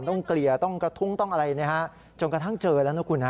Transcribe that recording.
เกลี่ยต้องกระทุ้งต้องอะไรนะฮะจนกระทั่งเจอแล้วนะคุณฮะ